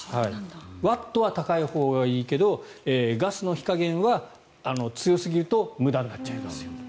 ワットは高いほうがいいけどガスの火加減は強すぎると無駄になっちゃいますよ。